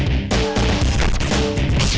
nggak akan ngediam nih